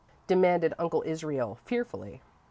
demanded Uncle Israel, fearfully.